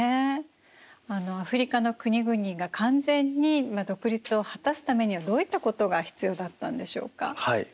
アフリカの国々が完全に独立を果たすためにはどういったことが必要だったんでしょうか？